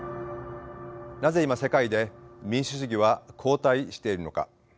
なぜ今世界で民主主義は後退しているのか。